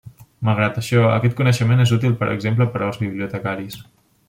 Malgrat això, aquest coneixement és útil per exemple per als bibliotecaris.